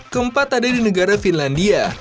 keempat ada di negara finlandia